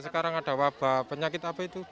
sekarang ada wabah penyakit apa itu